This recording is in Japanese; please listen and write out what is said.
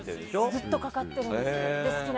ずっとかかってるんです。